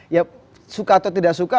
ya suka atau tidak suka